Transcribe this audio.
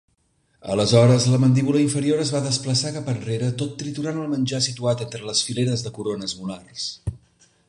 Aleshores, la mandíbula inferior es va desplaçar cap enrere, tot triturant el menjar situat entre les fileres de corones molars.